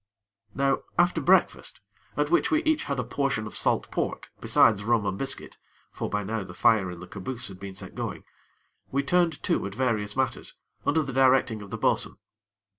Now after breakfast, at which we had each a portion of salt pork, besides rum and biscuit (for by now the fire in the caboose had been set going), we turned to at various matters, under the directing of the bo'sun.